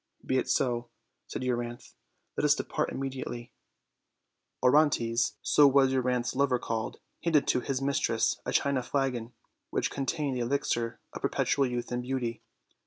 "Be it so," said Euryanthe; "let us depart immedi ately." Orontes (so was Euryanthe's lover called) handed to his mistress a china flagon, which contained the elixir of perpetual youth and beauty.